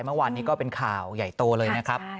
เมื่อวานนี้ก็เป็นข่าวใหญ่โตเลยนะครับ